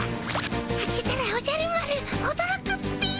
開けたらおじゃる丸おどろくっピィ。